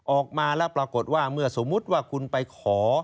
ออกมาแล้วปรากฏว่าเมื่อสมมุติว่าคุณไปขอ